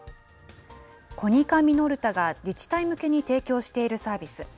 コニカミノルタが自治体向けに提供しているサービス。